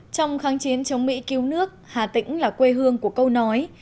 trong kháng chiến chống mỹ cứu nước hà tĩnh là quê hương của câu nói